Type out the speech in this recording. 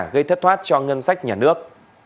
gây thất thoát cho ngân sách nhà nước